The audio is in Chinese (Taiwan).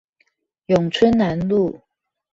永春南路